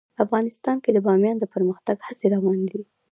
افغانستان کې د بامیان د پرمختګ هڅې روانې دي.